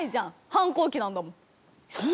反抗期なんだもん。